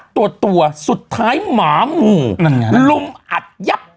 นัดตัวสุดท้ายหมาหมู่ลุมอัดยับ